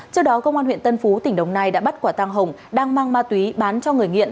trước đó công an huyện tân phú tỉnh đồng nai đã bắt quả tăng hồng đang mang ma túy bán cho người nghiện